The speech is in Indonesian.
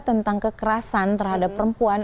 tentang kekerasan terhadap perempuan